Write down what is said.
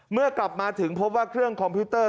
เมื่อกลับมาถึงพบว่าเครื่องคอมพิวเตอร์